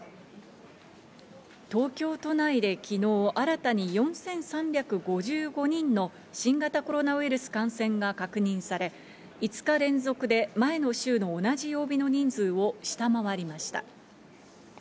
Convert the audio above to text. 東京都内できのう新たに４３５５人の新型コロナウイルス感染が確認され、５日連続で前の週の同じ曜日の人数を下回りました。